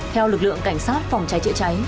theo lực lượng cảnh sát phòng cháy chữa cháy